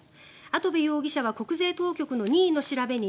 跡部容疑者は国税当局の任意の調べに